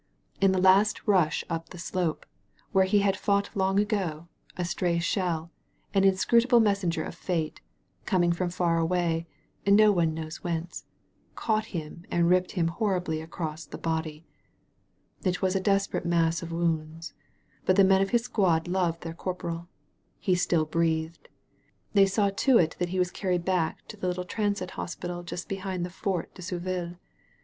In the last rush up the slope, where he had fought long ago, a stray shell, an inscrutable messenger of fate, coming from far away, no one knows whence, caught him and ripped him horribly across the body. It was a desperate mass of wounds. But the men of his squad loved their corporal. He still breathed. They saw to it that he was carried back to the little transit hospital just behind the Fort de Souville.